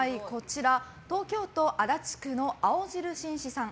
東京都足立区の青汁紳士さん。